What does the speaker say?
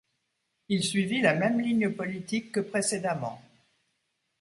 Il suivit la même ligne politique que précédemment.